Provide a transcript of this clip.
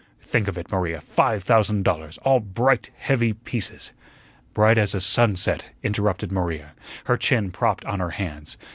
Think of it, Maria, five thousand dollars, all bright, heavy pieces " "Bright as a sunset," interrupted Maria, her chin propped on her hands.